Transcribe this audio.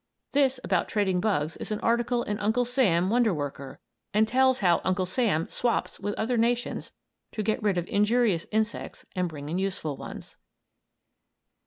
This about trading bugs is an article in "Uncle Sam: Wonder Worker," and tells how Uncle Sam "swaps" with other nations to get rid of injurious insects and bring in useful ones.